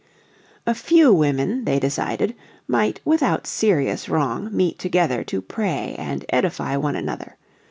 A few women, they decided, might without serious wrong meet together to pray and edify one another.